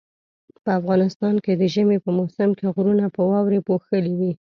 په افغانستان کې د ژمي په موسم کې غرونه په واوري پوښلي وي